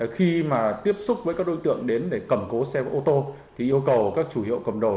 khi mà tiếp xúc với các đối tượng đến để cầm cố xe ô tô thì yêu cầu các chủ hiệu cầm đồ